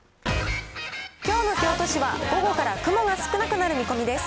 きょうの京都市は、午後から雲が少なくなる見込みです。